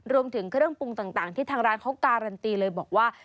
รวมถึงเครื่องปรุงต่างที่ทางร้านเขาการันตีเลยบอกว่า